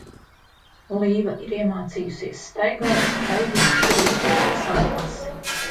Līva ir iemācījusies staigāt, skraidīt, griezties pa savu asi.